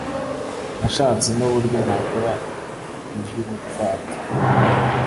nashatse nuburyo nakora iby’ubupfapfa